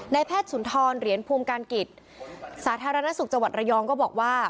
แพทย์สุนทรเหรียญภูมิการกิจสาธารณสุขจังหวัดระยองก็บอกว่า